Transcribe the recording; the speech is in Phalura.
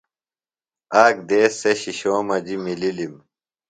آک دیس سےۡ شِشو مجیۡ مِلِلم۔